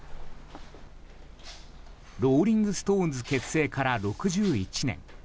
ローリング・ストーンズ結成から６１年。